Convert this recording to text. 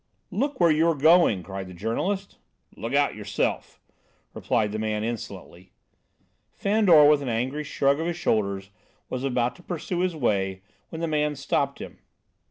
"Look where you're going!" cried the journalist. "Look out yourself," replied the man insolently. Fandor, with an angry shrug of his shoulders, was about to pursue his way, when the man stopped him.